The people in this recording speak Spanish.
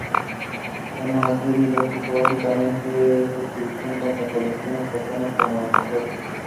El Modelismo Estático es básicamente de exhibición, tanto en colecciones personales como en museos.